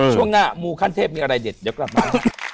ช่วงหน้ามูขั้นเทพมีอะไรเด็ดเดี๋ยวกลับมา